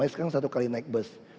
sekarang satu kali naik bus